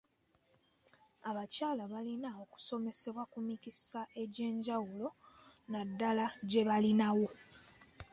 Abakyala balina okusomesebwa ku mikisa egy'enjawulo na ddala gye balinawo.